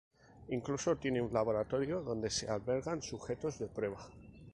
Incluso tienen un laboratorio donde se albergan sujetos de prueba.